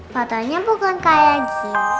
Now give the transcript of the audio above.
fotonya bukan kayak